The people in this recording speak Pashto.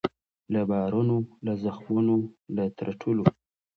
له بارونو له زخمونو له ترټلو